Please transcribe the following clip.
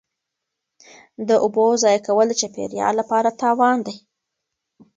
د اوبو ضایع کول د چاپیریال لپاره تاوان دی.